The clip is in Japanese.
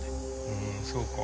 うんそうか。